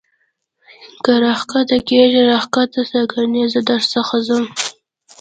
که را کښته کېږې را کښته سه کنې زه در څخه ځم.